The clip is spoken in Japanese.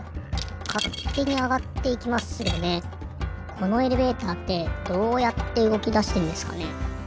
このエレベーターってどうやってうごきだしてんですかね？